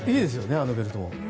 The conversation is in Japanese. あのベルト。